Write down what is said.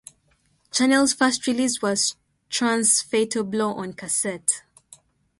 Charnel's first release was Trance's "Fatal Blow" on cassette.